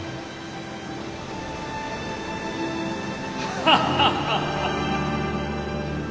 ハハハハハ！